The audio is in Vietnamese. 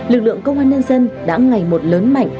lực lượng công an nhân dân đã ngày một lớn mạnh